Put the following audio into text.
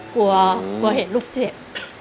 กลัวเห็นลูกเจ็บ